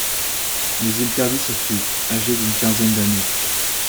Mais il perdit sa fille, âgée d’une quinzaine d’années.